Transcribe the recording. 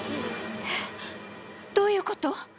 えっどういうこと？